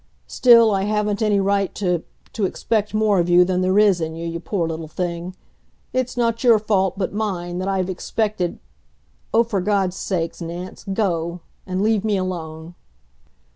Still, I haven't any right to to expect more of you than there is in you, you poor little thing! It's not your fault, but mine, that I've expected Oh, for God's sake Nance go, and leave me alone!"